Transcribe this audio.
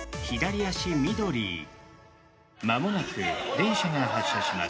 間もなく電車が発車します。